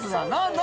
何？